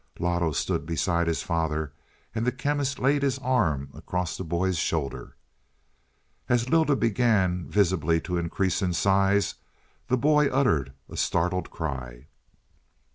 Loto stood beside his father, and the Chemist laid his arm across the boy's shoulder. As Lylda began visibly to increase in size, the boy uttered a startled cry.